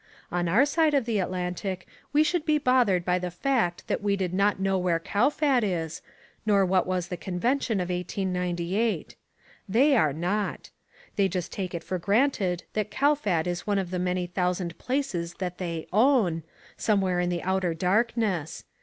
On our side of the Atlantic we should be bothered by the fact that we did not know where Kowfat is, nor what was the convention of 1898. They are not. They just take it for granted that Kowfat is one of the many thousand places that they "own," somewhere in the outer darkness.